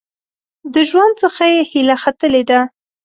د ژوند څخه یې هیله ختلې ده .